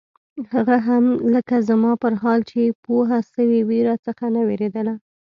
هغه هم لکه زما پر حال چې پوهه سوې وي راڅخه نه وېرېدله.